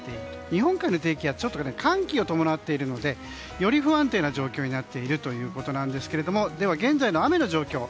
日本海の低気圧寒気を伴っているのでより不安定な状況になっているということですがでは、現在の雨の状況。